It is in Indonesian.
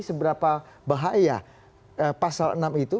seberapa bahaya pasal enam itu